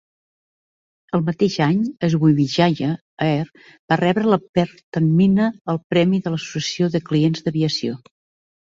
El mateix any Sriwijaya Air va rebre de Pertamina el Premi a l'Associació de Clients d'Aviació.